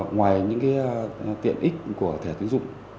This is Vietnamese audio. ngoài những tiện ích của thẻ tín dụng